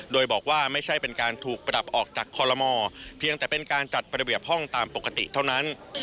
โดยบอกว่าไม่ใช่เป็นการถูกปรับออกจากคอลโลมอเพียงแต่เป็นการจัดระเบียบห้องตามปกติเท่านั้น